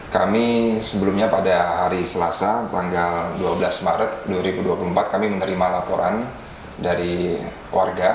kami sebelumnya pada hari selasa tanggal dua belas maret dua ribu dua puluh empat kami menerima laporan dari warga